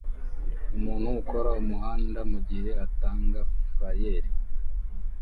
Umuntu ukora umuhanda mugihe atanga flayeri